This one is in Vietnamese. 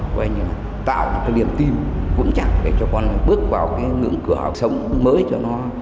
coi như là tạo cái niềm tin cũng chẳng để cho con bước vào cái ngưỡng cửa sống mới cho nó